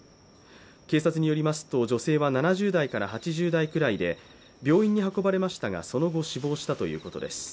警察によりますと女性は７０代から８０代くらいで病院に運ばれましたが、その後死亡したということです。